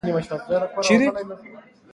راپور د کار پایله ده